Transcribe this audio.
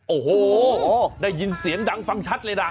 โอ้โหได้ยินเสียงดังฟังชัดเลยนะ